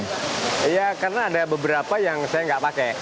iya karena ada beberapa yang saya nggak pakai